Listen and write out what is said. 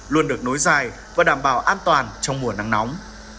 luôn được nối dài và đảm bảo an toàn trong mùa nắng nóng